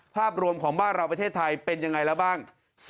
ภาพรวมของบ้านเราประเทศไทยเป็นยังไงแล้วบ้าง